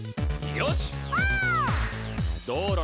「よし！」